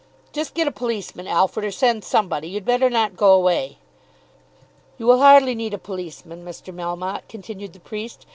"Just get a policeman, Alfred. Or send somebody; you'd better not go away." "You will hardly need a policeman, Mr. Melmotte," continued the priest.